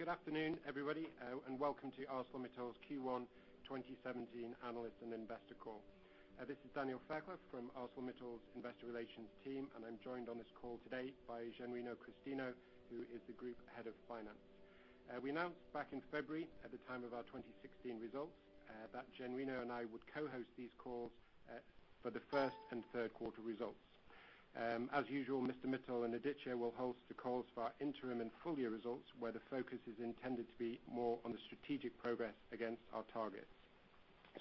Good afternoon, everybody, welcome to ArcelorMittal's Q1 2017 Analyst and Investor call. This is Daniel Fairclough from ArcelorMittal's Investor Relations team, and I'm joined on this call today by Genuino Christino, who is the Group Head of Finance. We announced back in February at the time of our 2016 results that Genuino and I would co-host these calls for the first and third quarter results. As usual, Mr. Mittal and Aditya will host the calls for our interim and full year results, where the focus is intended to be more on the strategic progress against our targets.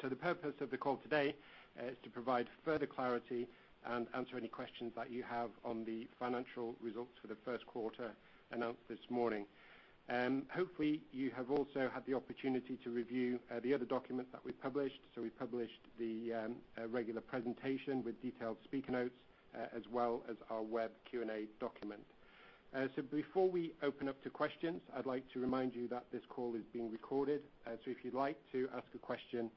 The purpose of the call today is to provide further clarity and answer any questions that you have on the financial results for the first quarter announced this morning. Hopefully, you have also had the opportunity to review the other documents that we published. We published the regular presentation with detailed speaker notes, as well as our web Q&A document. Before we open up to questions, I'd like to remind you that this call is being recorded. If you'd like to ask a question,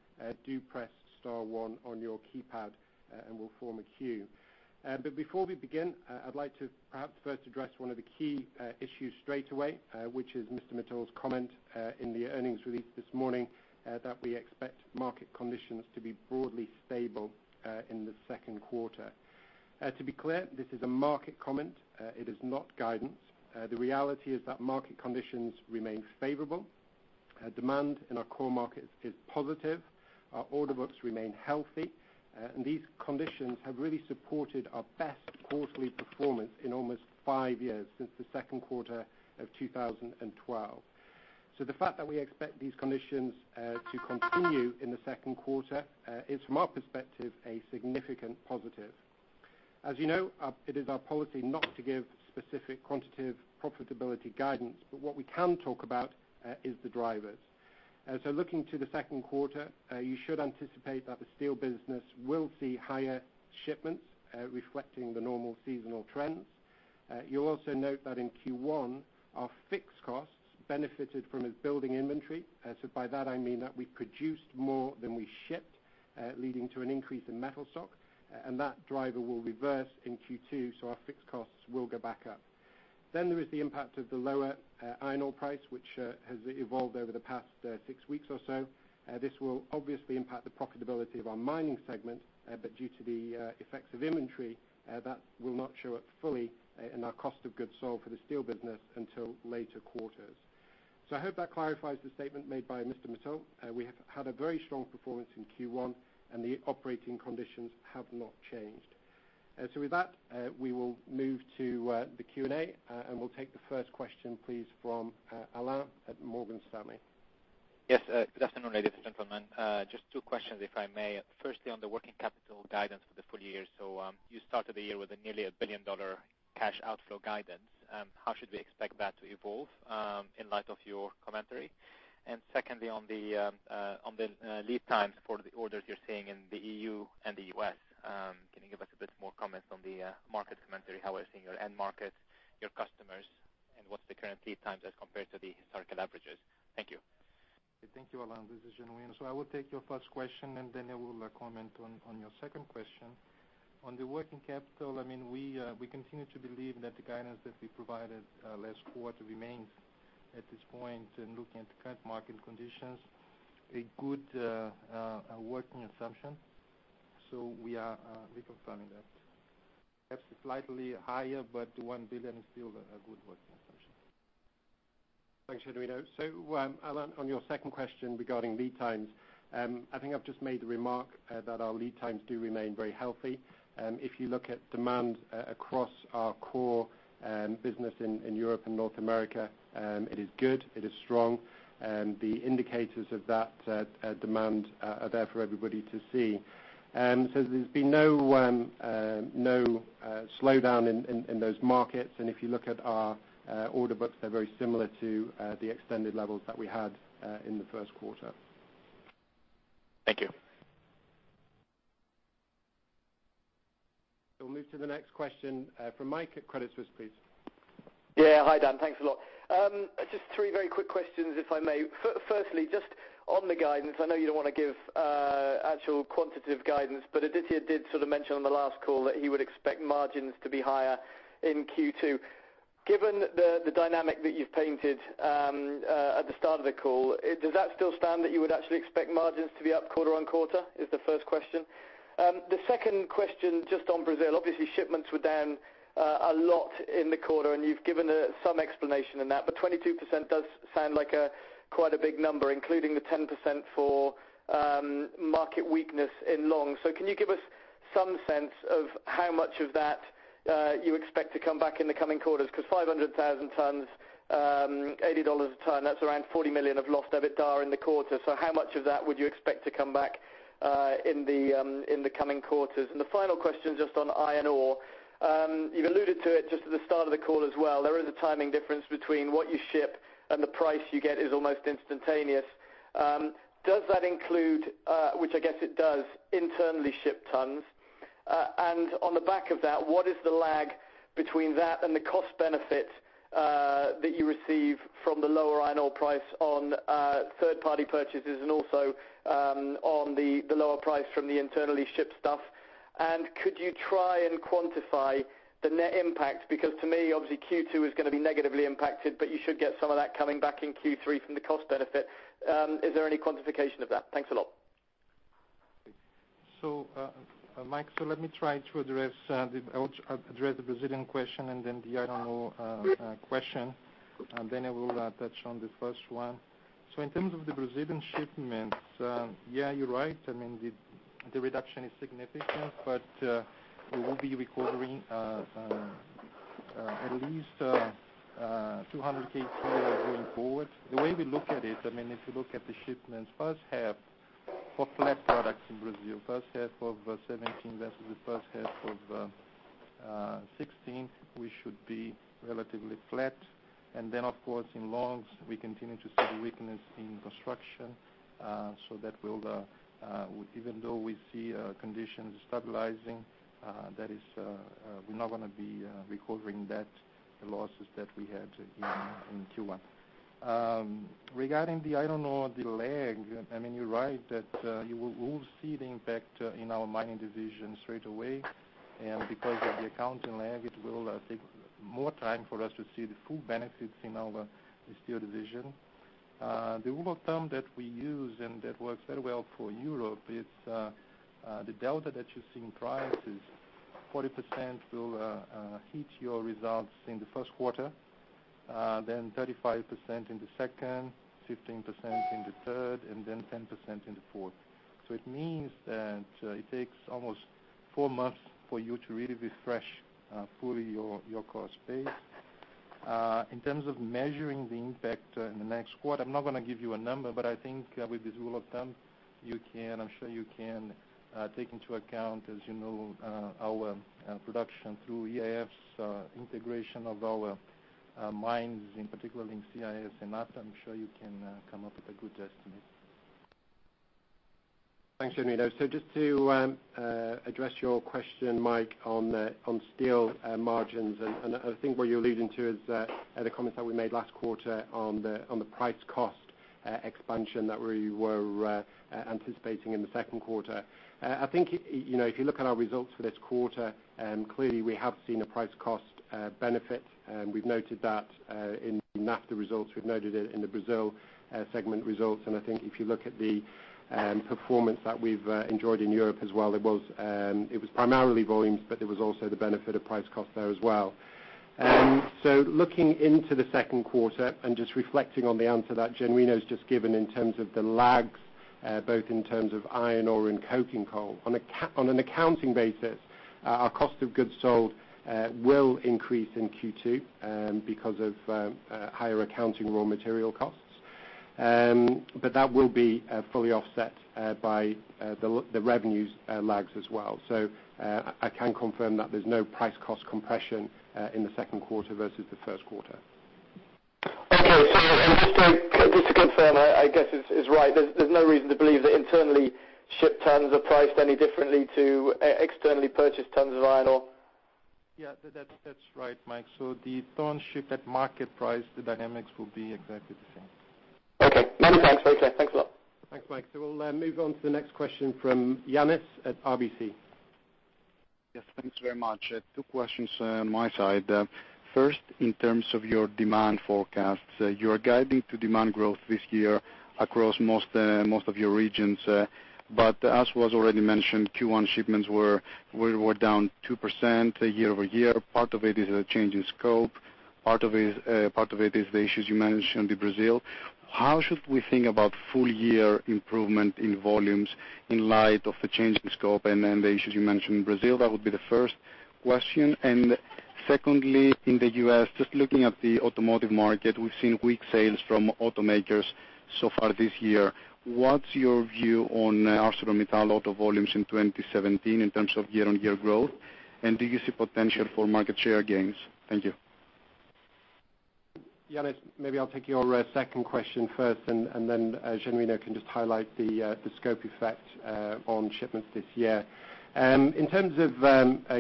do press star one on your keypad and we'll form a queue. Before we begin, I'd like to perhaps first address one of the key issues straight away, which is Mr. Mittal's comment in the earnings release this morning that we expect market conditions to be broadly stable in the second quarter. To be clear, this is a market comment. It is not guidance. The reality is that market conditions remain favorable. Demand in our core markets is positive. Our order books remain healthy, and these conditions have really supported our best quarterly performance in almost five years, since the second quarter of 2012. The fact that we expect these conditions to continue in the second quarter is, from our perspective, a significant positive. As you know, it is our policy not to give specific quantitative profitability guidance, but what we can talk about is the drivers. Looking to the second quarter, you should anticipate that the steel business will see higher shipments reflecting the normal seasonal trends. You'll also note that in Q1, our fixed costs benefited from a building inventory. By that I mean that we produced more than we shipped, leading to an increase in metal stock, and that driver will reverse in Q2, so our fixed costs will go back up. There is the impact of the lower iron ore price, which has evolved over the past six weeks or so. This will obviously impact the profitability of our mining segment, but due to the effects of inventory, that will not show up fully in our cost of goods sold for the steel business until later quarters. I hope that clarifies the statement made by Mr. Mittal. We have had a very strong performance in Q1, and the operating conditions have not changed. With that, we will move to the Q&A, and we'll take the first question, please, from Alain at Morgan Stanley. Yes. Good afternoon, ladies and gentlemen. Just two questions, if I may. Firstly, on the working capital guidance for the full year. You started the year with a nearly a $1 billion cash outflow guidance. How should we expect that to evolve in light of your commentary? Secondly, on the lead times for the orders you're seeing in the EU and the U.S., can you give us a bit more comments on the market commentary, how we're seeing your end markets, your customers, and what's the current lead times as compared to the historical averages? Thank you. Thank you, Alain. This is Genuino. I will take your first question, and then I will comment on your second question. On the working capital, we continue to believe that the guidance that we provided last quarter remains at this point in looking at the current market conditions, a good working assumption. We are reconfirming that. Perhaps slightly higher, but $1 billion is still a good working assumption. Thanks, Genuino. Alain, on your second question regarding lead times, I think I've just made the remark that our lead times do remain very healthy. If you look at demand across our core business in Europe and North America, it is good. It is strong. The indicators of that demand are there for everybody to see. There's been no slowdown in those markets, and if you look at our order books, they're very similar to the extended levels that we had in the first quarter. Thank you. We'll move to the next question from Mike at Credit Suisse, please. Yeah. Hi, Dan. Thanks a lot. Just three very quick questions, if I may. Firstly, just on the guidance, I know you don't want to give actual quantitative guidance, but Aditya did sort of mention on the last call that he would expect margins to be higher in Q2. Given the dynamic that you've painted at the start of the call, does that still stand that you would actually expect margins to be up quarter-on-quarter? Is the first question. The second question just on Brazil. Obviously, shipments were down a lot in the quarter, and you've given some explanation in that, but 22% does sound like quite a big number, including the 10% for market weakness in long. Can you give us some sense of how much of that you expect to come back in the coming quarters? 500,000 tons, $80 a ton, that's around $40 million of lost EBITDA in the quarter. How much of that would you expect to come back in the coming quarters? The final question just on iron ore. You've alluded to it just at the start of the call as well. There is a timing difference between what you ship and the price you get is almost instantaneous. Does that include, which I guess it does, internally shipped tons? On the back of that, what is the lag between that and the cost benefit that you receive from the lower iron ore price on third-party purchases and also on the lower price from the internally shipped stuff. Could you try and quantify the net impact? To me, obviously Q2 is going to be negatively impacted, but you should get some of that coming back in Q3 from the cost benefit. Is there any quantification of that? Thanks a lot. Mike, let me try to address the Brazilian question the iron ore question, I will touch on the first one. In terms of the Brazilian shipments, yeah, you're right. The reduction is significant, but we will be recovering at least 200,000 tons going forward. The way we look at it, if you look at the shipments first half for flat products in Brazil, first half of 2017 versus the first half of 2016, we should be relatively flat. In longs, we continue to see the weakness in construction. Even though we see conditions stabilizing, we're not going to be recovering the losses that we had in Q1. Regarding the iron ore delay, you're right that you will see the impact in our mining division straight away. Because of the accounting lag, it will take more time for us to see the full benefits in our steel division. The rule of thumb that we use, that works very well for Europe, is the delta that you see in prices. 40% will hit your results in the first quarter, 35% in the second, 15% in the third, 10% in the fourth. It means that it takes almost four months for you to really refresh fully your cost base. In terms of measuring the impact in the next quarter, I'm not going to give you a number, but I think with this rule of thumb, I'm sure you can take into account, as you know, our production through EAF integration of our mines, in particular in CIS and NAFTA, I'm sure you can come up with a good estimate. Thanks, Genuino. Just to address your question, Mike, on steel margins, what you're alluding to is the comments that we made last quarter on the price cost expansion that we were anticipating in the second quarter. If you look at our results for this quarter, clearly we have seen a price cost benefit. We've noted that in NAFTA results. We've noted it in the Brazil segment results. If you look at the performance that we've enjoyed in Europe as well, it was primarily volumes, but there was also the benefit of price cost there as well. Looking into the second quarter and just reflecting on the answer that Genuino's just given in terms of the lags, both in terms of iron ore and coking coal, on an accounting basis, our cost of goods sold will increase in Q2 because of higher accounting raw material costs. That will be fully offset by the revenues lags as well. I can confirm that there's no price cost compression in the second quarter versus the first quarter. Okay. Just to confirm, I guess it's right. There's no reason to believe that internally shipped tons are priced any differently to externally purchased tons of iron ore? Yeah, that's right, Mike. The tons shipped at market price, the dynamics will be exactly the same. Okay. Many thanks. Very clear. Thanks a lot. Thanks, Mike. We'll move on to the next question from Ioannis at RBC. Yes. Thanks very much. Two questions on my side. First, in terms of your demand forecasts, you're guiding to demand growth this year across most of your regions. As was already mentioned, Q1 shipments were down 2% year-over-year. Part of it is a change in scope. Part of it is the issues you mentioned in Brazil. How should we think about full year improvement in volumes in light of the change in scope and the issues you mentioned in Brazil? That would be the first question. Secondly, in the U.S., just looking at the automotive market, we've seen weak sales from automakers so far this year. What's your view on ArcelorMittal auto volumes in 2017 in terms of year-on-year growth, and do you see potential for market share gains? Thank you. Ioannis, maybe I'll take your second question first, then Genuino can just highlight the scope effect on shipments this year. In terms of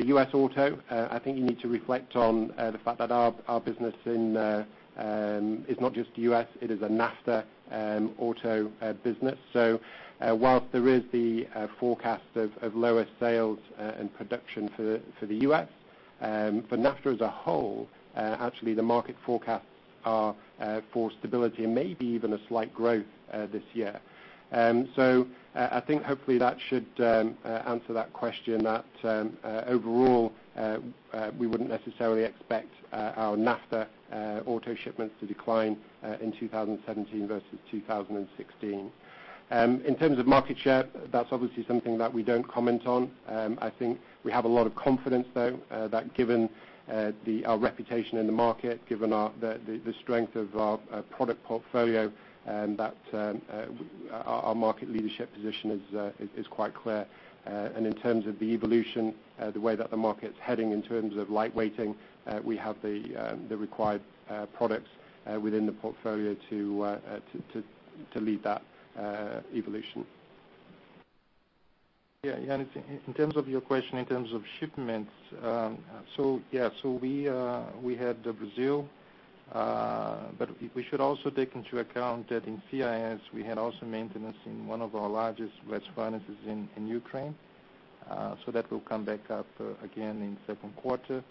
U.S. Auto, I think you need to reflect on the fact that our business is not just U.S., it is a NAFTA auto business. Whilst there is the forecast of lower sales and production for the U.S., for NAFTA as a whole, actually the market forecasts are for stability and maybe even a slight growth this year. I think hopefully that should answer that question that overall, we wouldn't necessarily expect our NAFTA auto shipments to decline in 2017 versus 2016. In terms of market share, that's obviously something that we don't comment on. I think we have a lot of confidence, though, that given our reputation in the market, given the strength of our product portfolio, that our market leadership position is quite clear. In terms of the evolution, the way that the market's heading in terms of lightweighting, we have the required products within the portfolio to lead that evolution. Yeah, Yannis, in terms of your question about shipments. We had Brazil, we should also take into account that in CIS, we had also maintenance in one of our largest blast furnaces in Ukraine. That will come back up again in second quarter.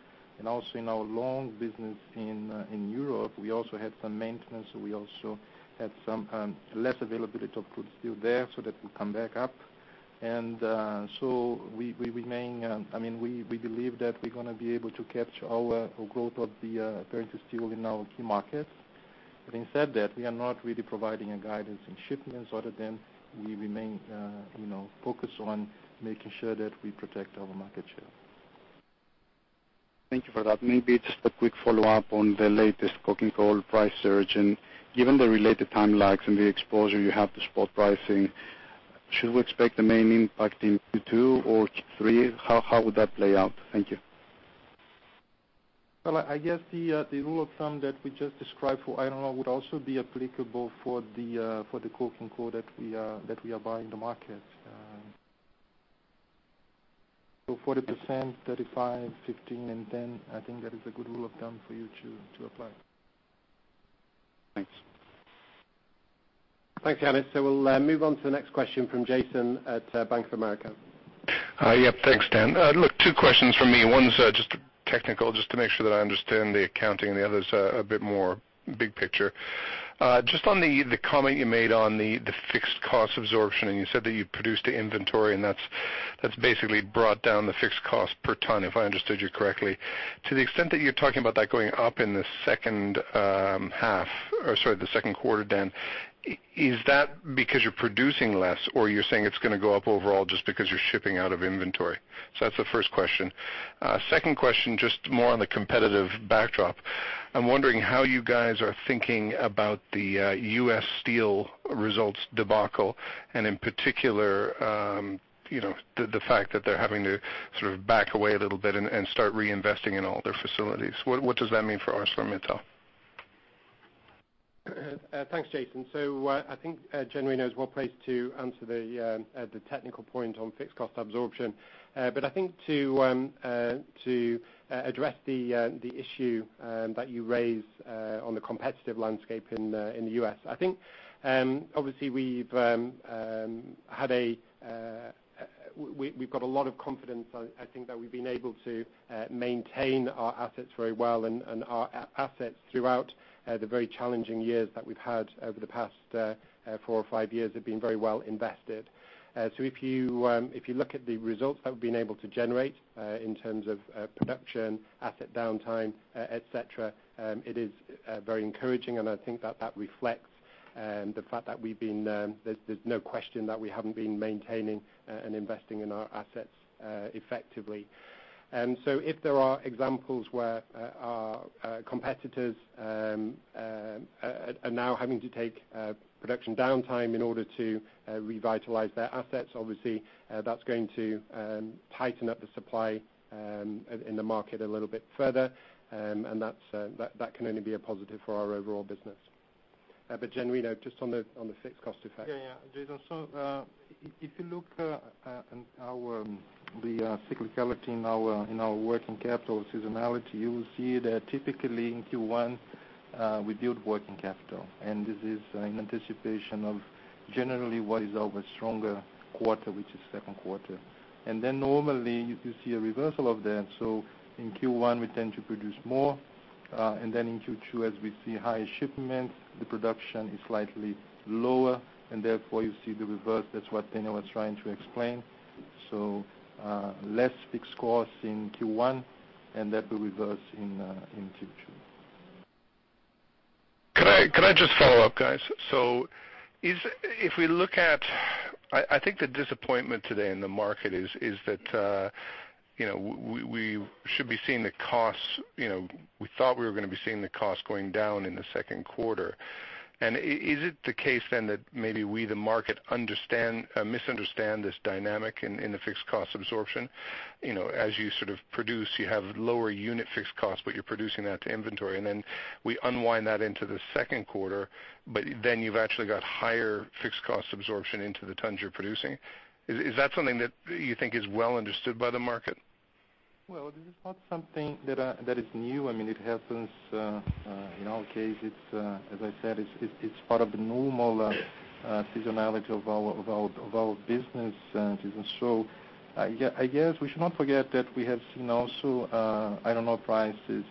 Also, in our long business in Europe, we also had some maintenance. We also had some less availability of cold-rolled steel there, that will come back up. We believe that we're going to be able to catch our growth of the paired steel in our key markets. Having said that, we are not really providing a guidance in shipments other than we remain focused on making sure that we protect our market share. Thank you for that. Maybe just a quick follow-up on the latest coking coal price surge. Given the related time lags and the exposure you have to spot pricing, should we expect the main impact in Q2 or Q3? How would that play out? Thank you. Well, I guess the rule of thumb that we just described for iron ore would also be applicable for the coking coal that we are buying in the market. 40%, 35%, 15%, and 10%, I think that is a good rule of thumb for you to apply. Thanks. Thanks, Yannis. We'll move on to the next question from Jason at Bank of America. Hi. Yep, thanks, Dan. Look, two questions from me. One's just technical, just to make sure that I understand the accounting, and the other's a bit more big picture. Just on the comment you made on the fixed cost absorption, and you said that you produced an inventory, and that's basically brought down the fixed cost per ton, if I understood you correctly. To the extent that you're talking about that going up in the second quarter, Dan, is that because you're producing less? Or you're saying it's going to go up overall just because you're shipping out of inventory? That's the first question. Second question, just more on the competitive backdrop. I'm wondering how you guys are thinking about the US Steel results debacle, and in particular, the fact that they're having to sort of back away a little bit and start reinvesting in all their facilities. What does that mean for ArcelorMittal? Thanks, Jason. I think Genuino is well-placed to answer the technical point on fixed cost absorption. I think to address the issue that you raised on the competitive landscape in the U.S., I think, obviously, we've got a lot of confidence. I think that we've been able to maintain our assets very well, and our assets throughout the very challenging years that we've had over the past four or five years have been very well invested. If you look at the results that we've been able to generate in terms of production, asset downtime, et cetera, it is very encouraging. I think that reflects the fact that there's no question that we haven't been maintaining and investing in our assets effectively. If there are examples where our competitors are now having to take production downtime in order to revitalize their assets, obviously that's going to tighten up the supply in the market a little bit further. That can only be a positive for our overall business. Jan Mario, just on the fixed cost effect. Yeah, Jason. If you look at the cyclicality in our working capital seasonality, you will see that typically in Q1, we build working capital. This is in anticipation of generally what is our stronger quarter, which is second quarter. Then normally you see a reversal of that. In Q1 we tend to produce more, and then in Q2 as we see higher shipments, the production is slightly lower, and therefore you see the reverse. That's what Daniel was trying to explain. Less fixed costs in Q1, and that will reverse in Q2. Could I just follow up, guys? I think the disappointment today in the market is that we thought we were going to be seeing the cost going down in the second quarter. Is it the case then that maybe we, the market, misunderstand this dynamic in the fixed cost absorption? As you sort of produce, you have lower unit fixed cost, but you're producing that to inventory, we unwind that into the second quarter. You've actually got higher fixed cost absorption into the tons you're producing. Is that something that you think is well understood by the market? Well, this is not something that is new. It happens in our case. As I said, it's part of the normal seasonality of our business. I guess we should not forget that we have seen also iron ore prices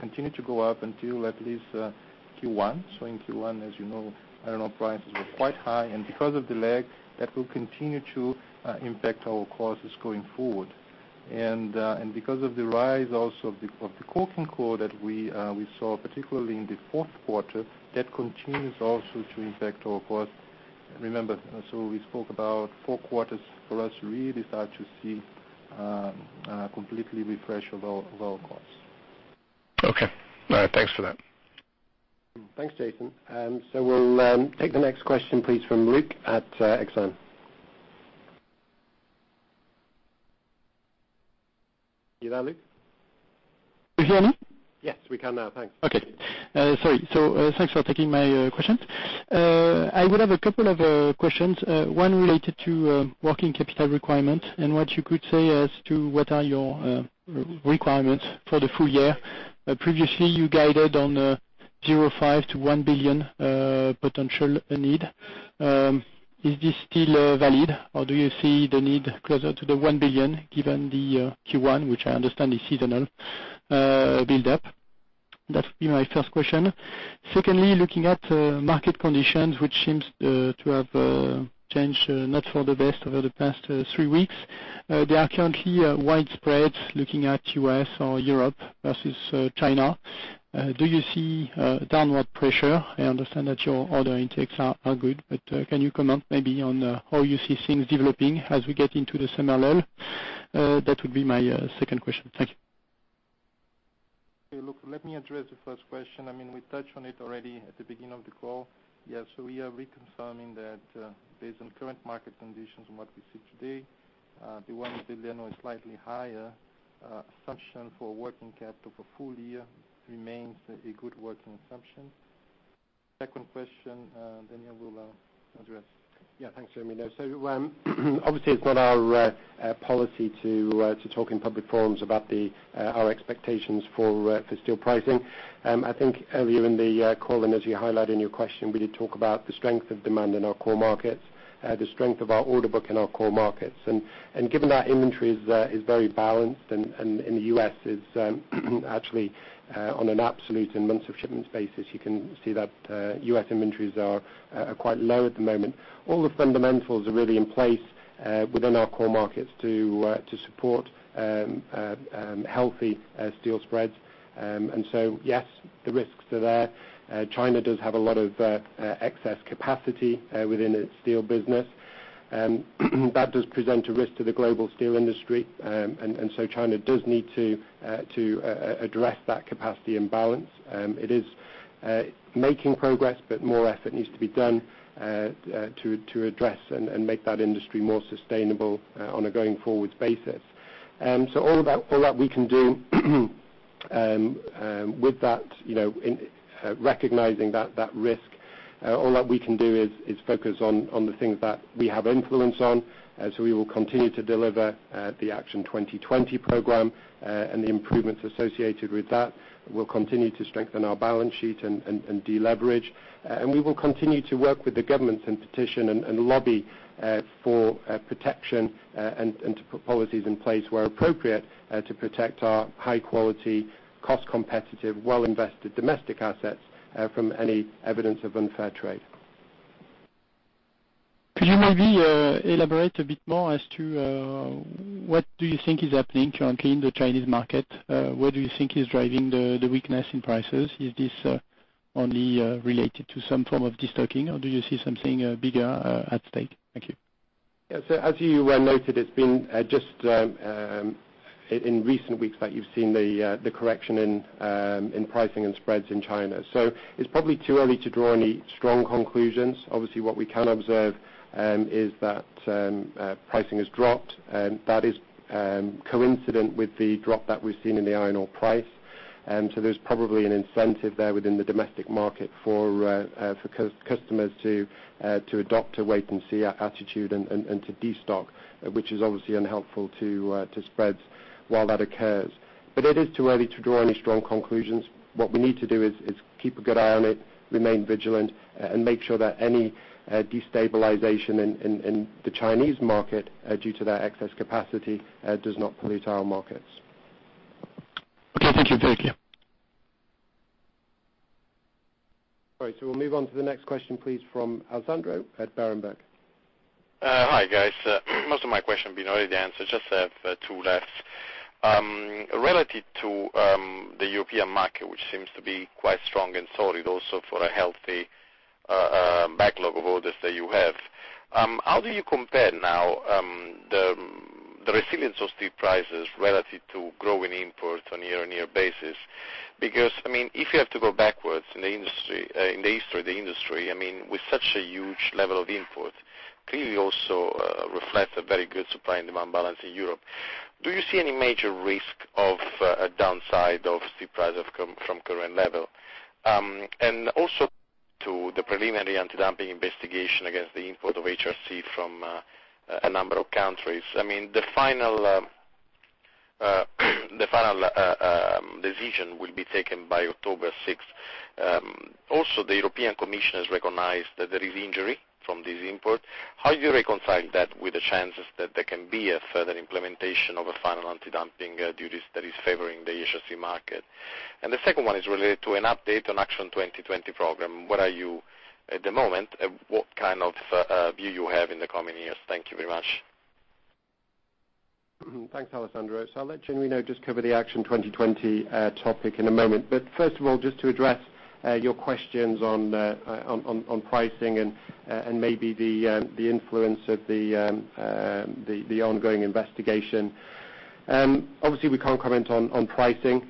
continue to go up until at least Q1. In Q1, as you know, iron ore prices were quite high, and because of the lag, that will continue to impact our costs going forward. Because of the rise also of the coking coal that we saw, particularly in the fourth quarter, that continues also to impact our costs. Remember, we spoke about four quarters for us to really start to see completely refresh of our costs. Okay. All right. Thanks for that. Thanks, Jason. We'll take the next question, please, from Luke at Exane. You there, Luke? Can you hear me? Yes, we can now. Thanks. Okay. Sorry. Thanks for taking my questions. I would have a couple of questions. One related to working capital requirements and what you could say as to what are your requirements for the full year. Previously, you guided on $0.5 billion to $1 billion potential need. Is this still valid, or do you see the need closer to the $1 billion given the Q1, which I understand is seasonal buildup? That would be my first question. Secondly, looking at market conditions, which seems to have changed, not for the best over the past three weeks. There are currently widespread, looking at U.S. or Europe versus China. Do you see downward pressure? I understand that your order intakes are good, can you comment maybe on how you see things developing as we get into the summer lull? That would be my second question. Thank you. Okay, luc, let me address the first question. We touched on it already at the beginning of the call. We are reconfirming that based on current market conditions and what we see today, the $1 billion or slightly higher assumption for working capital for full year remains a good working assumption. Second question, Daniel will address. Thanks, Genuino. Obviously it's not our policy to talk in public forums about our expectations for steel pricing. I think earlier in the call and as you highlight in your question, we did talk about the strength of demand in our core markets, the strength of our order book in our core markets. Given that inventory is very balanced and in the U.S. is actually on an absolute in months of shipments basis, you can see that U.S. inventories are quite low at the moment. All the fundamentals are really in place within our core markets to support healthy steel spreads. Yes, the risks are there. China does have a lot of excess capacity within its steel business. That does present a risk to the global steel industry. China does need to address that capacity imbalance. It is making progress, more effort needs to be done to address and make that industry more sustainable on a going forwards basis. All that we can do with that, recognizing that risk, all that we can do is focus on the things that we have influence on. We will continue to deliver the Action 2020 program, the improvements associated with that will continue to strengthen our balance sheet and deleverage. We will continue to work with the governments and petition and lobby for protection, and to put policies in place where appropriate to protect our high quality, cost competitive, well-invested domestic assets from any evidence of unfair trade. Could you maybe elaborate a bit more as to what do you think is happening currently in the Chinese market? What do you think is driving the weakness in prices? Is this only related to some form of destocking, or do you see something bigger at stake? Thank you. As you noted, it's been just in recent weeks that you've seen the correction in pricing and spreads in China. It's probably too early to draw any strong conclusions. Obviously, what we can observe is that pricing has dropped. That is coincident with the drop that we've seen in the iron ore price. There's probably an incentive there within the domestic market for customers to adopt a wait and see attitude and to destock, which is obviously unhelpful to spreads while that occurs. It is too early to draw any strong conclusions. What we need to do is keep a good eye on it, remain vigilant, and make sure that any destabilization in the Chinese market due to that excess capacity does not pollute our markets. Okay, thank you. Thank you. All right, we'll move on to the next question, please, from Alessandro at Berenberg. Hi, guys. Most of my question been already answered. Just have two left. Relative to the European market, which seems to be quite strong and solid also for a healthy backlog of orders that you have. How do you compare now the resilience of steel prices relative to growing imports on a year-on-year basis? If you have to go backwards in the history of the industry, with such a huge level of import, clearly also reflects a very good supply and demand balance in Europe. Do you see any major risk of a downside of steel prices from current level? To the preliminary antidumping investigation against the import of HRC from a number of countries. The final decision will be taken by October 6th. The European Commission has recognized that there is injury from this import. How do you reconcile that with the chances that there can be a further implementation of a final antidumping duties that is favoring the HRC market? The second one is related to an update on Action 2020 program. Where are you at the moment? What kind of view you have in the coming years? Thank you very much. Thanks, Alessandro. I'll let Genuino just cover the Action 2020 topic in a moment. First of all, just to address your questions on pricing and maybe the influence of the ongoing investigation. Obviously, we can't comment on pricing.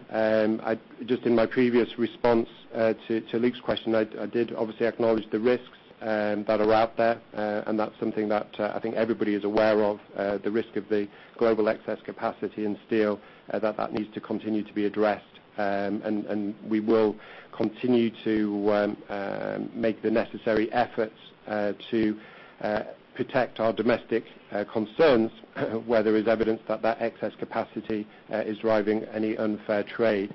Just in my previous response to Luc's question, I did obviously acknowledge the risks that are out there, and that's something that I think everybody is aware of, the risk of the global excess capacity in steel, that that needs to continue to be addressed. We will continue to make the necessary efforts to protect our domestic concerns where there is evidence that that excess capacity is driving any unfair trade.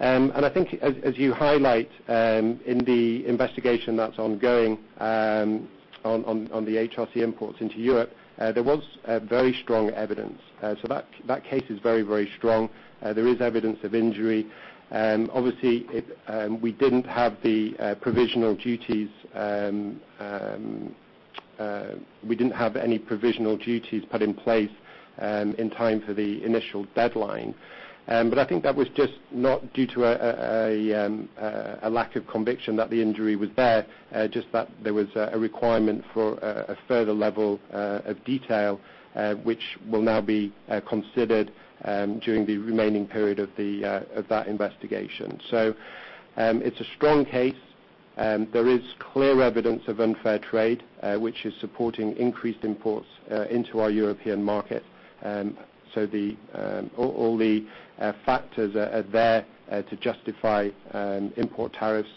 I think, as you highlight, in the investigation that's ongoing on the HRC imports into Europe, there was very strong evidence. That case is very strong. There is evidence of injury. Obviously, we didn't have any provisional duties put in place in time for the initial deadline. I think that was just not due to a lack of conviction that the injury was there, just that there was a requirement for a further level of detail, which will now be considered during the remaining period of that investigation. It's a strong case. There is clear evidence of unfair trade, which is supporting increased imports into our European market. All the factors are there to justify import tariffs,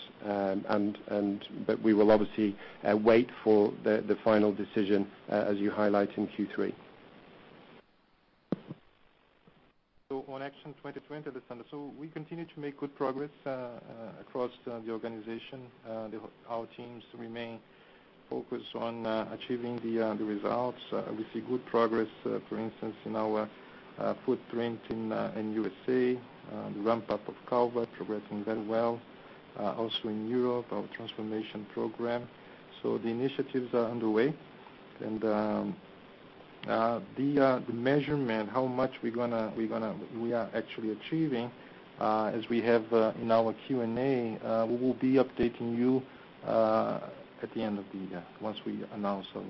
but we will obviously wait for the final decision, as you highlight, in Q3. On Action 2020, Alessandro. We continue to make good progress across the organization. Our teams remain focused on achieving the results. We see good progress, for instance, in our footprint in U.S., the ramp-up of Calvert progressing very well. Also in Europe, our transformation program. The initiatives are underway, and the measurement, how much we are actually achieving, as we have in our Q&A, we will be updating you at the end of the year, once we announce our.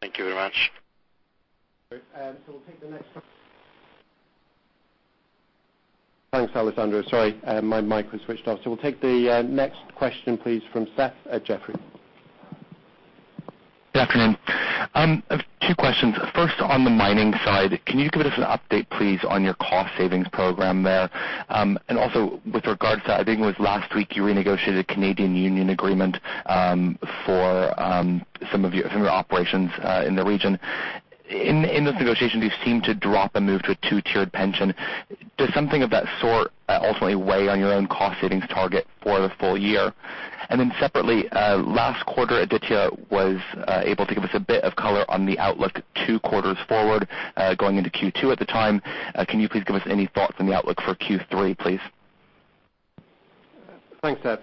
Thank you very much. We'll take the next Thanks, Alessandro. Sorry, my mic was switched off. We'll take the next question, please, from Seth at Jefferies. Good afternoon. I have two questions. First, on the mining side, can you give us an update, please, on your cost savings program there? Also with regards to, I think it was last week, you renegotiated a Canadian union agreement for some of your operations in the region. In those negotiations, you seemed to drop a move to a 2-tiered pension. Does something of that sort ultimately weigh on your own cost savings target for the full year? Separately, last quarter, Aditya was able to give us a bit of color on the outlook two quarters forward, going into Q2 at the time. Can you please give us any thoughts on the outlook for Q3, please? Thanks, Seth.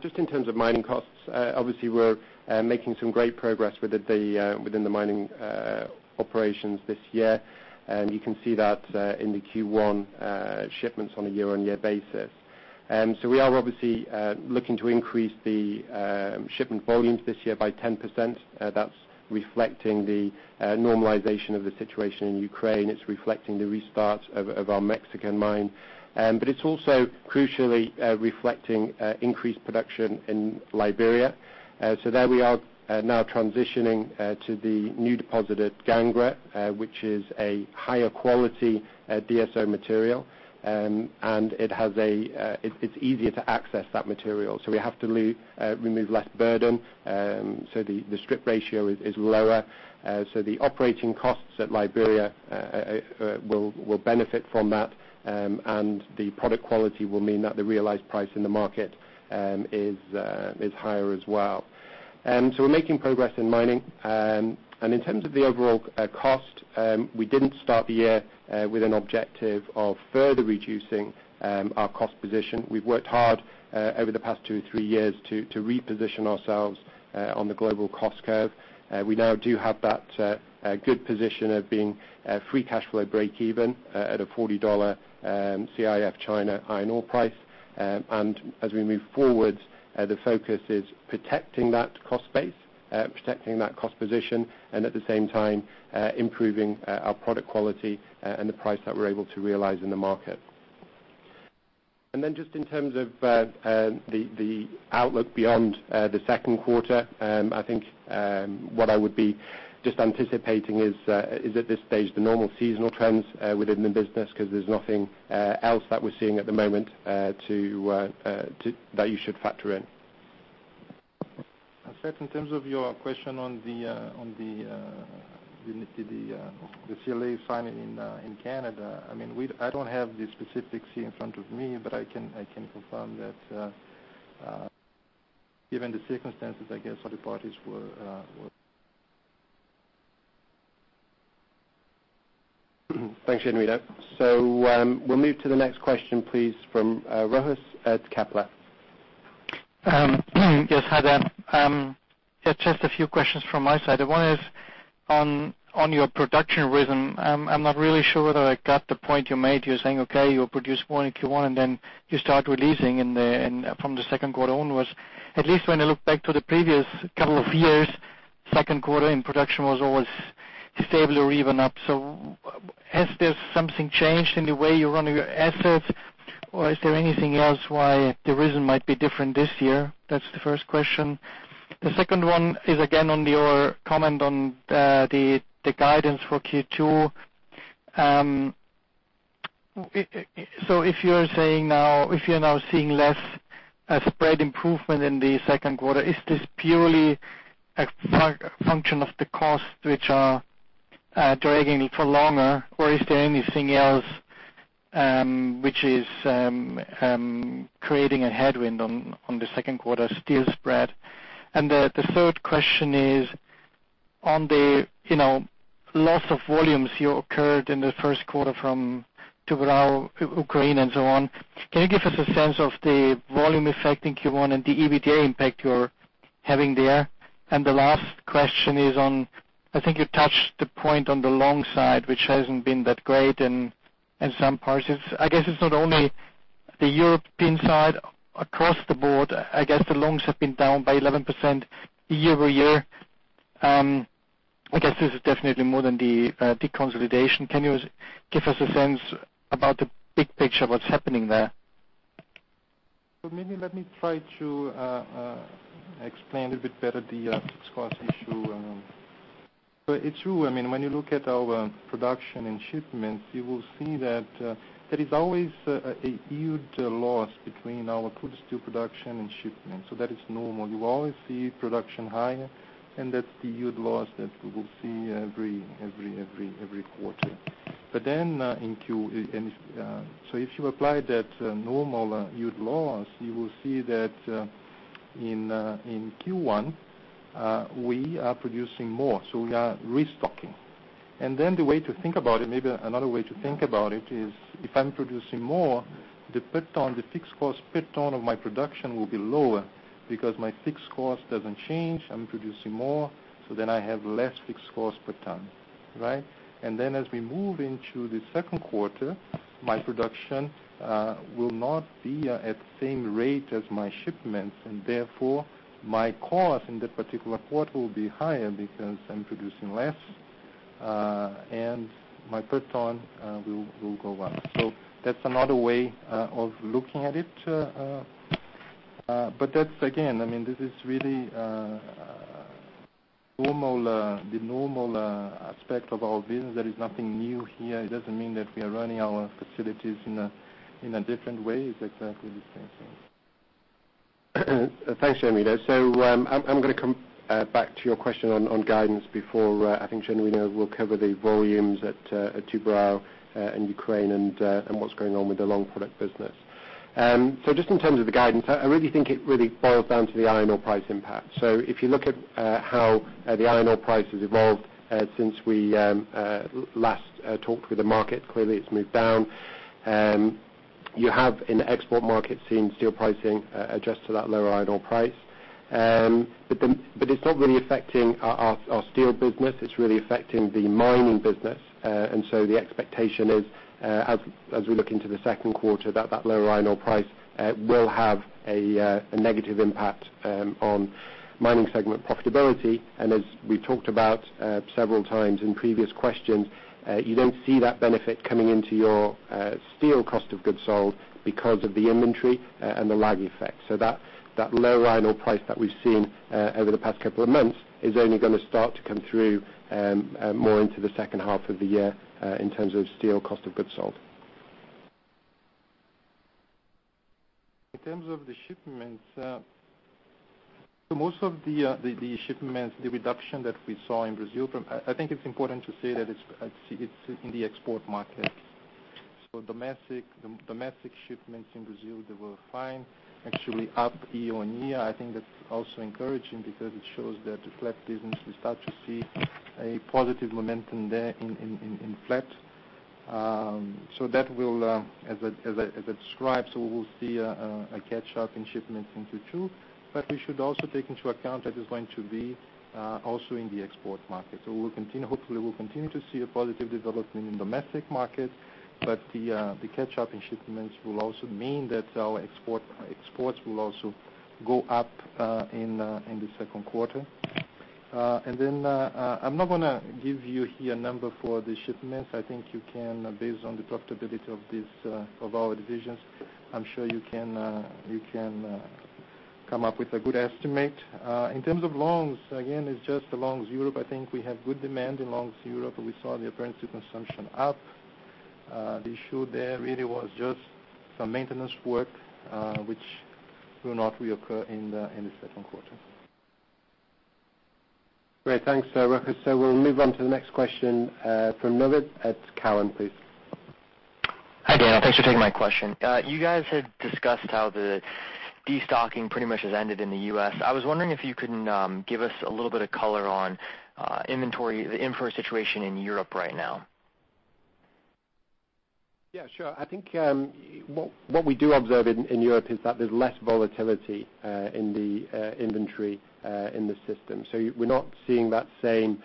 Just in terms of mining costs, obviously we're making some great progress within the mining operations this year. You can see that in the Q1 shipments on a year-on-year basis. We are obviously looking to increase the shipment volumes this year by 10%. That's reflecting the normalization of the situation in Ukraine. It's reflecting the restart of our Mexican mine. It's also crucially reflecting increased production in Liberia. There we are now transitioning to the new deposit at Gangra, which is a higher quality DSO material, and it's easier to access that material. We have to remove less burden. The strip ratio is lower. The operating costs at Liberia will benefit from that, and the product quality will mean that the realized price in the market is higher as well. We're making progress in mining. In terms of the overall cost, we didn't start the year with an objective of further reducing our cost position. We've worked hard over the past two, three years to reposition ourselves on the global cost curve. We now do have that good position of being free cash flow breakeven at a $40 CIF China iron ore price. As we move forward, the focus is protecting that cost base, protecting that cost position, and at the same time, improving our product quality and the price that we're able to realize in the market. Just in terms of the outlook beyond the second quarter, I think what I would be just anticipating is at this stage, the normal seasonal trends within the business, because there's nothing else that we're seeing at the moment that you should factor in. Seth, in terms of your question on the CLA signing in Canada, I don't have the specifics here in front of me, but I can confirm that given the circumstances, I guess other parties were. Thanks, Genuino. We'll move to the next question, please, from Rochus at Kepler. Yes. Hi there. Yeah, just a few questions from my side. One is on your production rhythm. I'm not really sure that I got the point you made. You're saying, okay, you produce more in Q1, and then you start releasing from the second quarter onwards. At least when I look back to the previous couple of years, second quarter in production was always stable or even up. Has there something changed in the way you're running your assets, or is there anything else why the reason might be different this year? That's the first question. The second one is again on your comment on the guidance for Q2. If you're now seeing less spread improvement in the second quarter, is this purely a function of the cost which are dragging it for longer? Is there anything else which is creating a headwind on the second quarter steel spread? The third question is on the loss of volumes you occurred in the first quarter from Tubarão, Ukraine and so on, can you give us a sense of the volume effect in Q1 and the EBITDA impact you're having there? The last question is on, I think you touched the point on the long side, which hasn't been that great in some parts. I guess it's not only the European side. Across the board, I guess the longs have been down by 11% year-over-year. I guess this is definitely more than the deconsolidation. Can you give us a sense about the big picture of what's happening there? Maybe let me try to explain a bit better the fixed cost issue. It's true, when you look at our production and shipments, you will see that there is always a yield loss between our crude steel production and shipments. That is normal. You always see production higher, and that's the yield loss that we will see every quarter. If you apply that normal yield loss, you will see that in Q1, we are producing more, so we are restocking. Then the way to think about it, maybe another way to think about it is, if I'm producing more, the fixed cost per ton of my production will be lower because my fixed cost doesn't change. I'm producing more, then I have less fixed cost per ton, right? As we move into the second quarter, my production will not be at the same rate as my shipments, and therefore my cost in that particular quarter will be higher because I'm producing less, and my per ton will go up. That's another way of looking at it. That's, again, this is really the normal aspect of our business. There is nothing new here. It doesn't mean that we are running our facilities in a different way. It's exactly the same thing. Thanks, Genuino. I'm gonna come back to your question on guidance before I think Genuino will cover the volumes at Tubarão in Ukraine and what's going on with the long product business. Just in terms of the guidance, I really think it really boils down to the iron ore price impact. If you look at how the iron ore price has evolved since we last talked with the market, clearly it's moved down. You have, in the export market, seen steel pricing adjust to that lower iron ore price. It's not really affecting our steel business. It's really affecting the mining business. The expectation is, as we look into the second quarter, that lower iron ore price will have a negative impact on mining segment profitability. As we've talked about several times in previous questions, you don't see that benefit coming into your steel cost of goods sold because of the inventory and the lag effect. That low iron ore price that we've seen over the past couple of months is only gonna start to come through more into the second half of the year in terms of steel cost of goods sold. In terms of the shipments, most of the shipments, the reduction that we saw in Brazil, I think it's important to say that it's in the export market. Domestic shipments in Brazil, they were fine, actually up year-on-year. I think that's also encouraging because it shows that the flat business, we start to see a positive momentum there in flat. That will, as I described, we will see a catch-up in shipments in Q2. We should also take into account that it's going to be also in the export market. Hopefully, we'll continue to see a positive development in domestic market, but the catch-up in shipments will also mean that our exports will also go up in the second quarter. I'm not gonna give you here a number for the shipments. I think based on the profitability of our divisions, I'm sure you can come up with a good estimate. In terms of longs, again, it's just the longs Europe. I think we have good demand in longs Europe. We saw the apparent steel consumption up. The issue there really was just some maintenance work, which will not reoccur in the second quarter. Great. Thanks, Rochus. We'll move on to the next question from Novid at Cowen, please. Hi, Daniel. Thanks for taking my question. You guys had discussed how the destocking pretty much has ended in the U.S. I was wondering if you could give us a little bit of color on the inventory situation in Europe right now. Yeah, sure. I think what we do observe in Europe is that there's less volatility in the inventory in the system. We're not seeing that same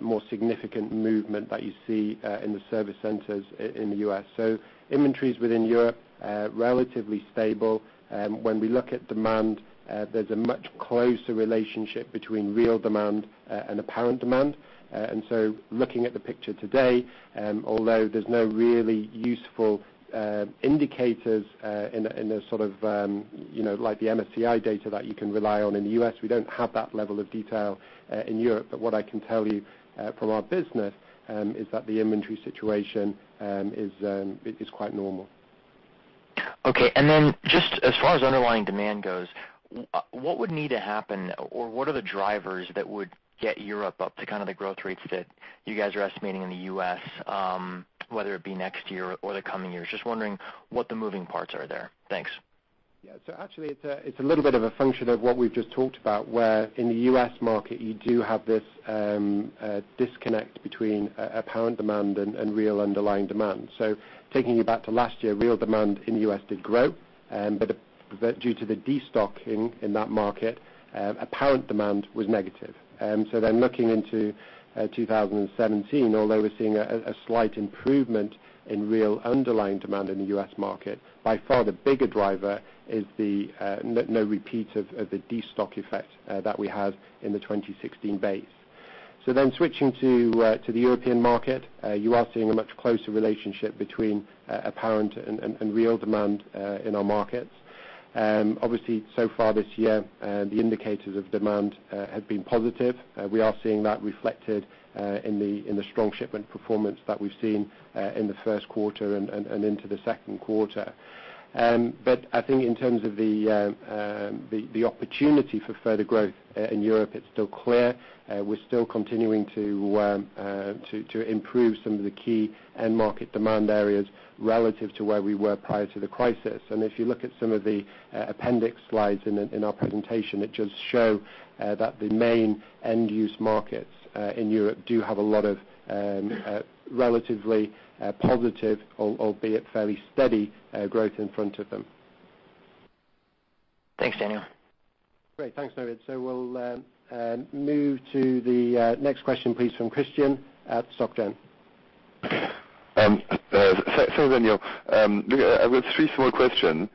more significant movement that you see in the service centers in the U.S. Inventories within Europe are relatively stable. When we look at demand, there's a much closer relationship between real demand and apparent demand. Looking at the picture today, although there's no really useful indicators in the MSCI data that you can rely on in the U.S., we don't have that level of detail in Europe. What I can tell you from our business is that the inventory situation is quite normal. Okay. Just as far as underlying demand goes, what would need to happen or what are the drivers that would get Europe up to the growth rates that you guys are estimating in the U.S., whether it be next year or the coming years? Just wondering what the moving parts are there. Thanks. Yeah. Actually, it's a little bit of a function of what we've just talked about, where in the U.S. market you do have this disconnect between apparent demand and real underlying demand. Taking it back to last year, real demand in the U.S. did grow, but due to the destocking in that market, apparent demand was negative. Looking into 2017, although we're seeing a slight improvement in real underlying demand in the U.S. market, by far the bigger driver is the no repeat of the destock effect that we had in the 2016 base. Switching to the European market, you are seeing a much closer relationship between apparent and real demand in our markets. Obviously, so far this year, the indicators of demand have been positive. We are seeing that reflected in the strong shipment performance that we've seen in the first quarter and into the second quarter. I think in terms of the opportunity for further growth in Europe, it's still clear. We're still continuing to improve some of the key end market demand areas relative to where we were prior to the crisis. If you look at some of the appendix slides in our presentation, it just show that the main end-use markets in Europe do have a lot of relatively positive, albeit fairly steady, growth in front of them. Thanks, Daniel. Great. Thanks, Novid. We'll move to the next question, please, from Christian at SocGen. Daniel, I've got three small questions.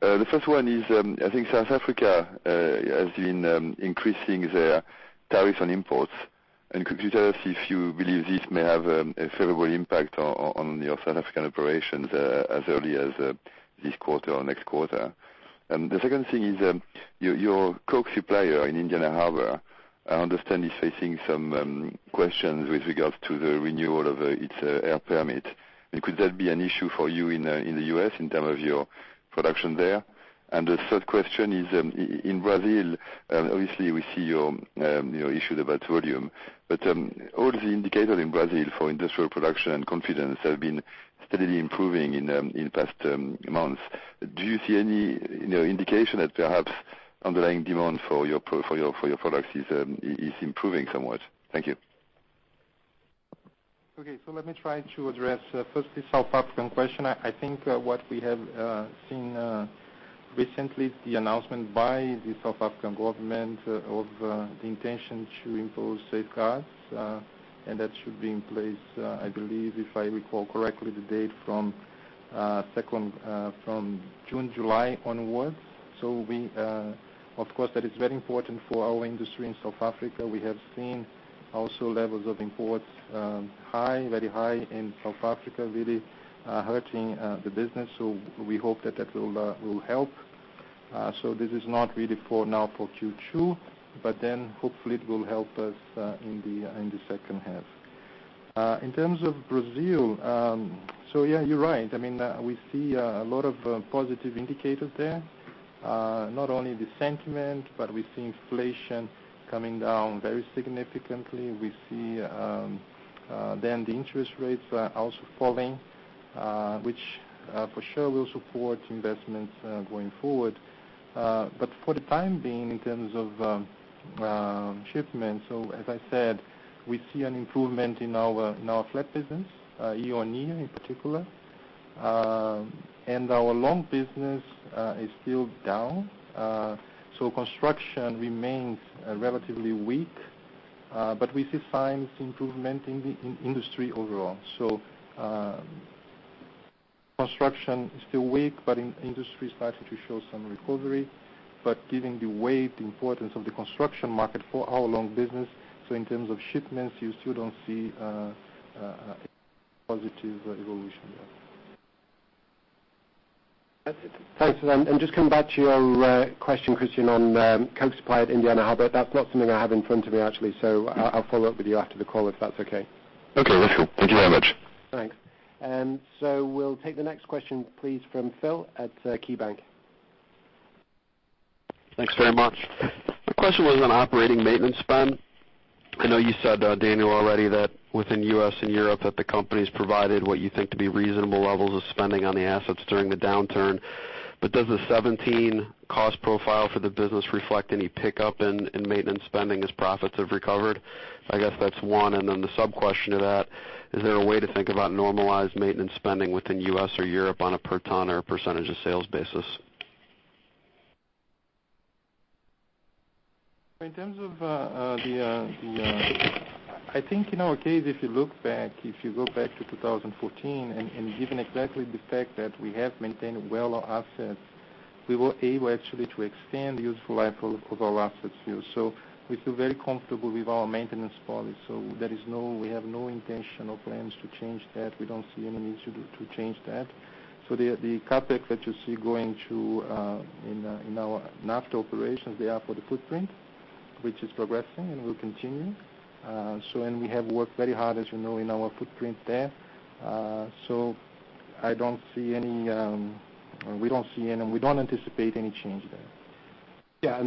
The first one is, I think South Africa has been increasing their tariffs on imports. Could you tell us if you believe this may have a favorable impact on your South African operations as early as this quarter or next quarter? The second thing is, your coke supplier in Indiana Harbor, I understand, is facing some questions with regards to the renewal of its air permit. Could that be an issue for you in the U.S. in terms of your production there? The third question is, in Brazil, obviously we see your issues about volume. All the indicators in Brazil for industrial production and confidence have been steadily improving in past months. Do you see any indication that perhaps underlying demand for your products is improving somewhat? Thank you. Okay. Let me try to address first the South African question. I think what we have seen recently, the announcement by the South African government of the intention to impose safeguards, and that should be in place, I believe, if I recall correctly, the date from June, July onwards. Of course, that is very important for our industry in South Africa. We have seen also levels of imports very high in South Africa, really hurting the business. We hope that will help. This is not really for now for Q2, but then hopefully it will help us in the second half. In terms of Brazil, so yeah, you're right. We see a lot of positive indicators there. Not only the sentiment, but we see inflation coming down very significantly. We see then the interest rates are also falling, which for sure will support investments going forward. For the time being, in terms of shipments, so as I said, we see an improvement in our flat business, year-on-year in particular. Our long business is still down. Construction remains relatively weak, but we see signs improvement in industry overall. Construction is still weak, but industry is starting to show some recovery. Given the weight, the importance of the construction market for our long business, so in terms of shipments, you still don't see a positive evolution there. Thanks for that. Just coming back to your question, Christian, on coke supply at Indiana Harbor. That's not something I have in front of me, actually. I'll follow up with you after the call, if that's okay. Okay, that's cool. Thank you very much. Thanks. We'll take the next question, please, from Phil at KeyBanc. Thanks very much. My question was on operating maintenance spend. I know you said, Daniel, already that within U.S. and Europe, that the company's provided what you think to be reasonable levels of spending on the assets during the downturn. Does the 2017 cost profile for the business reflect any pickup in maintenance spending as profits have recovered? I guess that's one. Then the sub-question to that, is there a way to think about normalized maintenance spending within U.S. or Europe on a per ton or percentage of sales basis? In terms of, I think in our case, if you look back, if you go back to 2014 and given exactly the fact that we have maintained well our assets, we were able actually to extend the useful life of our assets here. We feel very comfortable with our maintenance policy. We have no intention or plans to change that. We don't see any need to change that. The CapEx that you see going through in our NAFTA operations, they are for the footprint, which is progressing and will continue. We have worked very hard, as you know, in our footprint there. We don't anticipate any change there. Yeah.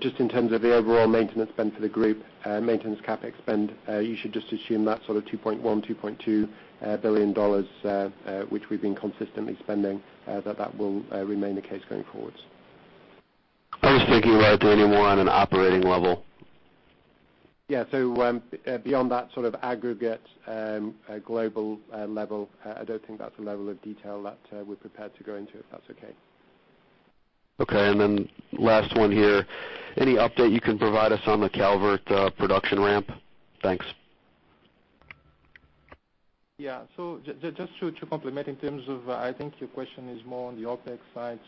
Just in terms of the overall maintenance spend for the group, maintenance CapEx spend, you should just assume that sort of $2.1 billion-$2.2 billion, which we've been consistently spending, that that will remain the case going forward. I was thinking more to any more on an operating level. Yeah. Beyond that sort of aggregate, global level, I don't think that's a level of detail that we're prepared to go into, if that's okay. Okay. Last one here. Any update you can provide us on the Calvert production ramp? Thanks. Yeah. Just to complement in terms of, I think your question is more on the OpEx side.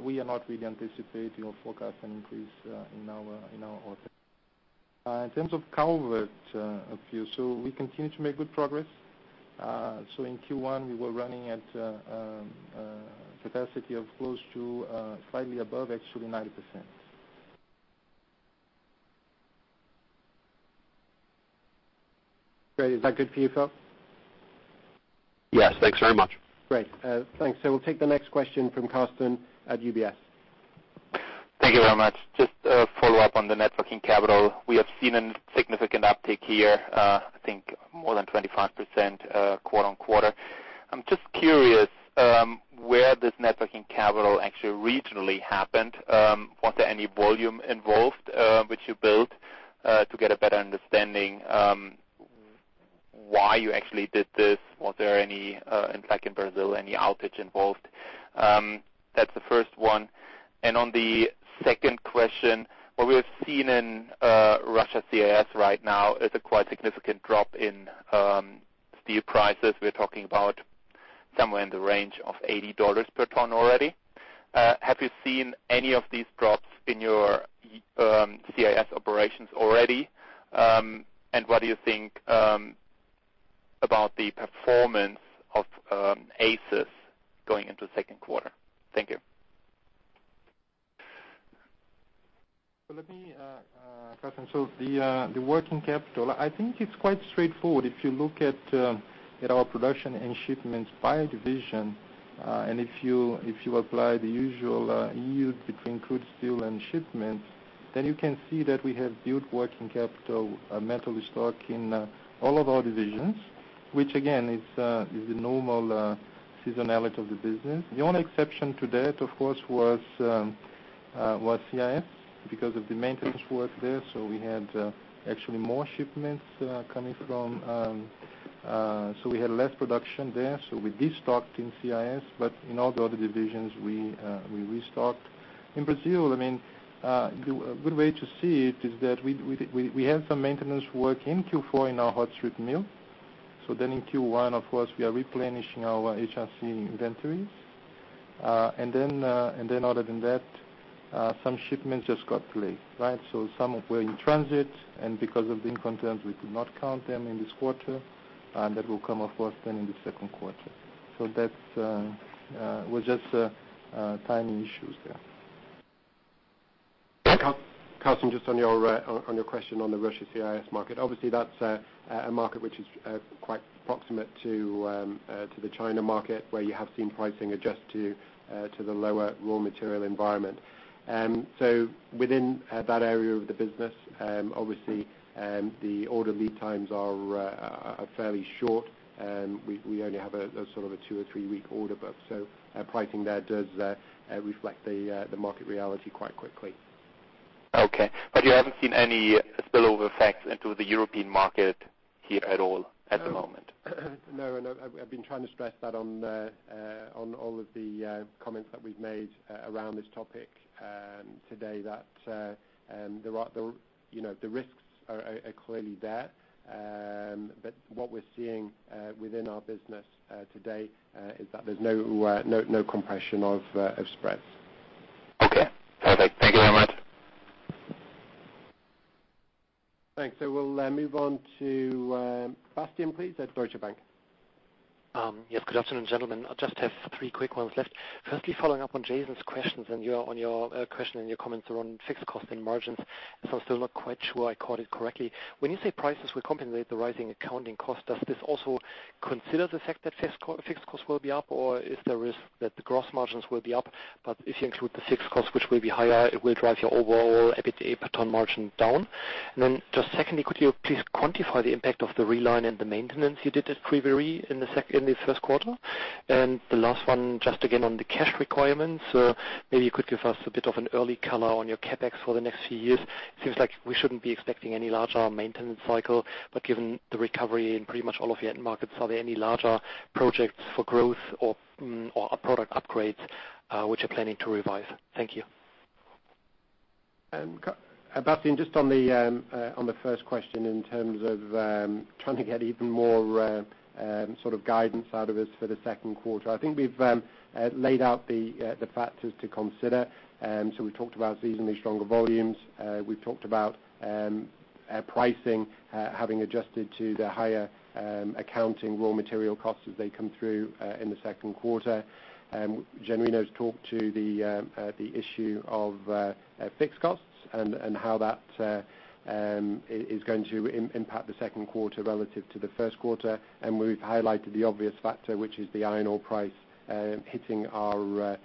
We are not really anticipating or forecasting increase in our OpEx. In terms of Calvert, we continue to make good progress. In Q1, we were running at a capacity of close to slightly above actually 90%. Great. Is that good for you, Phil? Yes. Thanks very much. Great. Thanks. We'll take the next question from Carsten at UBS. Thank you very much. Just a follow-up on the net working capital. We have seen a significant uptick here, I think more than 25% quarter-on-quarter. I'm just curious where this net working capital actually regionally happened. Was there any volume involved, which you built, to get a better understanding why you actually did this? Was there any, in fact, in Brazil, any outage involved? That's the first one. On the second question, what we have seen in Russia CIS right now is a quite significant drop in steel prices. We're talking about somewhere in the range of $80 per ton already. Have you seen any of these drops in your CIS operations already? What do you think about the performance of ACIS going into the second quarter? Thank you. Let me, Carsten, so the working capital, I think it's quite straightforward. If you look at our production and shipments by division, and if you apply the usual yield between crude steel and shipments, then you can see that we have built working capital metal stock in all of our divisions, which again, is the normal seasonality of the business. The only exception to that, of course, was CIS because of the maintenance work there. We had less production there, so we destocked in CIS, but in all the other divisions, we restocked. In Brazil, a good way to see it is that we had some maintenance work in Q4 in our hot strip mill. In Q1, of course, we are replenishing our HRC inventories. Then other than that, some shipments just got delayed. Some were in transit, and because of the Incoterms, we could not count them in this quarter. That will come, of course, then in the second quarter. That was just timing issues there. Carsten, just on your question on the Russia CIS market. Obviously, that's a market which is quite proximate to the China market, where you have seen pricing adjust to the lower raw material environment. Within that area of the business, obviously, the order lead times are fairly short. We only have a sort of a two or three-week order book. Pricing there does reflect the market reality quite quickly. Okay. You haven't seen any spillover effects into the European market here at all at the moment? No. I've been trying to stress that on all of the comments that we've made around this topic today that the risks are clearly there. What we're seeing within our business today, is that there's no compression of spreads. Okay, perfect. Thank you very much. Thanks. We'll move on to Bastian, please, at Deutsche Bank. Yes, good afternoon, gentlemen. I just have three quick ones left. Firstly, following up on Jason's questions and on your question and your comments around fixed cost and margins. I'm still not quite sure I caught it correctly. When you say prices will compensate the rising accounting cost, does this also consider the fact that fixed costs will be up, or is there a risk that the gross margins will be up? If you include the fixed costs, which will be higher, it will drive your overall EBITDA per ton margin down. Just secondly, could you please quantify the impact of the reline and the maintenance you did this February in the first quarter? The last one, just again on the cash requirements. Maybe you could give us a bit of an early color on your CapEx for the next few years. Seems like we shouldn't be expecting any larger maintenance cycle, but given the recovery in pretty much all of your end markets, are there any larger projects for growth or product upgrades which you're planning to revise? Thank you. Bastian, just on the first question in terms of trying to get even more sort of guidance out of us for the second quarter, I think we've laid out the factors to consider. We talked about seasonally stronger volumes. We've talked about pricing having adjusted to the higher accounting raw material costs as they come through in the second quarter. Genuino's talked to the issue of fixed costs and how that is going to impact the second quarter relative to the first quarter. We've highlighted the obvious factor, which is the iron ore price hitting our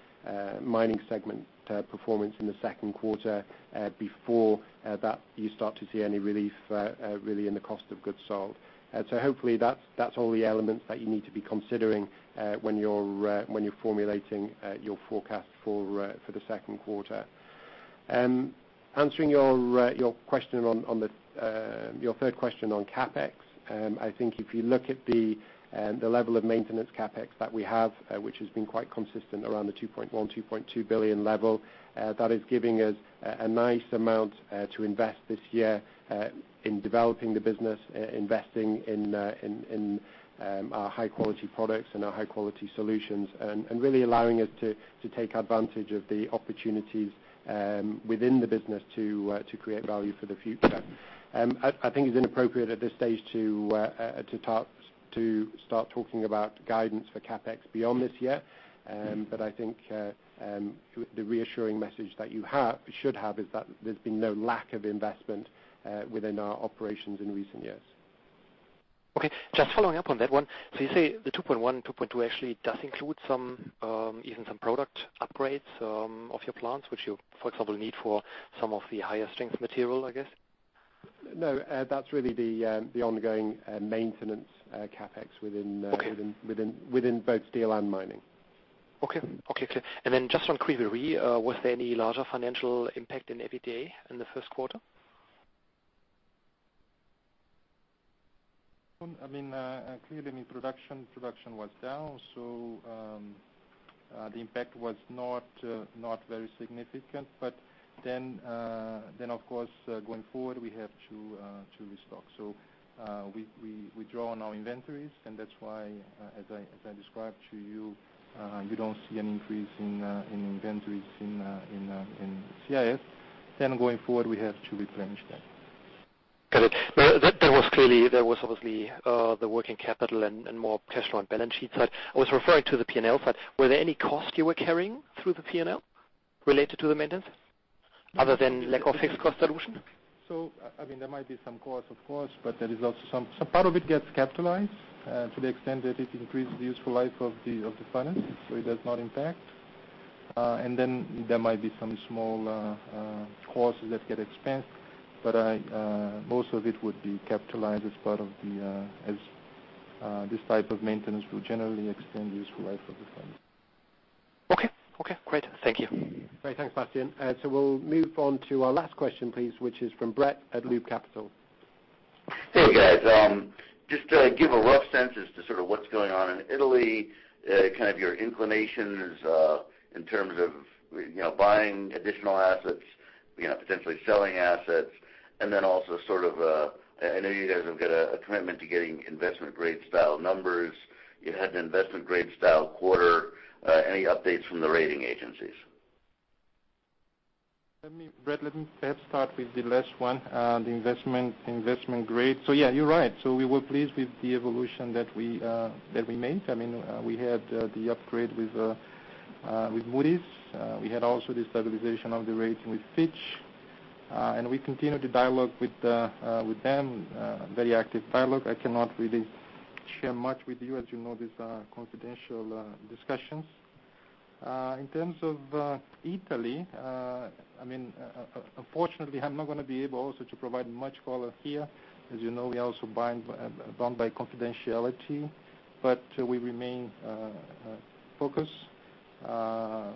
mining segment performance in the second quarter before that you start to see any relief, really in the cost of goods sold. Hopefully that's all the elements that you need to be considering when you're formulating your forecast for the second quarter. Answering your third question on CapEx, I think if you look at the level of maintenance CapEx that we have, which has been quite consistent around the $2.1 billion, $2.2 billion level, that is giving us a nice amount to invest this year in developing the business, investing in our high-quality products and our high-quality solutions, and really allowing us to take advantage of the opportunities within the business to create value for the future. I think it's inappropriate at this stage to start talking about guidance for CapEx beyond this year. I think the reassuring message that you should have is that there's been no lack of investment within our operations in recent years. Okay. Just following up on that one. You say the $2.1, $2.2 actually does include even some product upgrades of your plants, which you, for example, need for some of the higher strength material, I guess? No. That's really the ongoing maintenance CapEx within- Okay both steel and mining. Okay. Clear. Just on Kryvyi Rih, was there any larger financial impact in EBITDA in the first quarter? I mean, clearly production was down, so the impact was not very significant. Of course, going forward, we have to restock. We draw on our inventories, and that's why, as I described to you don't see an increase in inventories in CIS. Going forward, we have to replenish that. Got it. There was obviously the working capital and more cash flow on balance sheet side. I was referring to the P&L side. Were there any costs you were carrying through the P&L related to the maintenance other than lack of fixed cost dilution? I mean, there might be some cost, of course, but there is also some part of it gets capitalized to the extent that it increased the useful life of the furnace, so it does not impact. There might be some small costs that get expensed, but most of it would be capitalized as this type of maintenance will generally extend the useful life of the furnace. Okay. Great. Thank you. Great. Thanks, Bastian. We'll move on to our last question, please, which is from Brett at Loop Capital. Hey, guys. Just to give a rough sense as to sort of what's going on in Italy, kind of your inclinations in terms of buying additional assets, potentially selling assets, and then also sort of, I know you guys have got a commitment to getting investment grade style numbers. You had an investment grade style quarter. Any updates from the rating agencies? Brett, let me perhaps start with the last one, the investment grade. Yeah, you're right. We were pleased with the evolution that we made. I mean, we had the upgrade with Moody's. We had also the stabilization of the rating with Fitch. We continue the dialogue with them, very active dialogue. I cannot really share much with you, as you know, these are confidential discussions. In terms of Italy, unfortunately, I'm not going to be able also to provide much color here. As you know, we are also bound by confidentiality. We remain focused on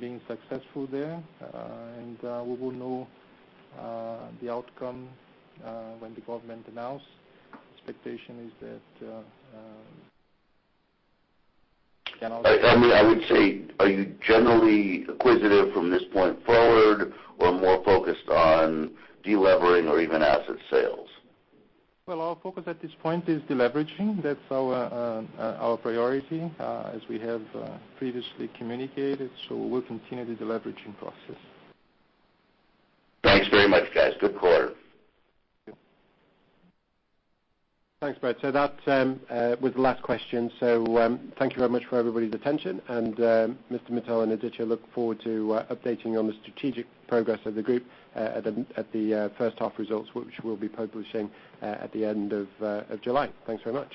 being successful there. We will know the outcome when the government announce. Expectation is that I would say, are you generally acquisitive from this point forward or more focused on delevering or even asset sales? Our focus at this point is deleveraging. That's our priority, as we have previously communicated. We'll continue the deleveraging process. Thanks very much, guys. Good quarter. Thanks, Brett. That was the last question. Thank you very much for everybody's attention. Mr. Mittal and Aditya look forward to updating you on the strategic progress of the group at the first half results, which we'll be publishing at the end of July. Thanks very much.